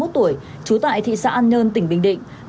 ba mươi một tuổi chú tại thị xã an nhơn tỉnh bình định